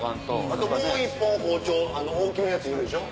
あともう１本包丁あの大きめのやついるでしょ？